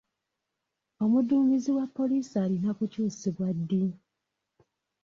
Omudduumizi wa poliisi alina kukyusibwa ddi?